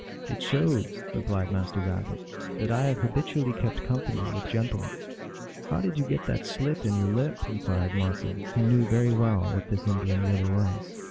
" It shows," replied Master Rabbit, " that I have habitually kept company with gentlemen." " How did you get that slit in your lip ?" inquired Marten, who knew very well what this Indian really was.